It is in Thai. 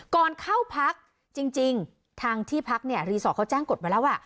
ก่อนเข้าพักจริงทางที่พักเนี่ยรีสอร์ทเขาแจ้งกฎไว้แล้วว่า